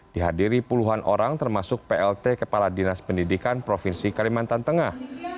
dihadiri puluhan orang termasuk plt kepala dinas pendidikan provinsi kalimantan tengah